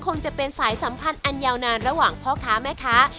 คงจะเป็นสายสัมพันธ์อันยาวนานระหว่างพ่อค้าแม่ค้า